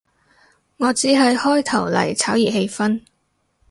我只係開頭嚟炒熱氣氛